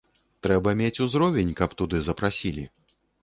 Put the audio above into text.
Трэба мець узровень, каб туды запрасілі.